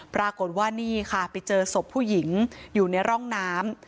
ปรากฏว่านี่ค่ะไปเจอศพผู้หญิงอยู่ในร่องน้ำ